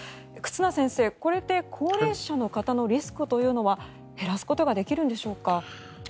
忽那先生、これで高齢者の方のリスクというのは減らすことができるんでしょうか？